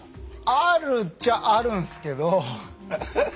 あるっちゃあるんすけどハハッ。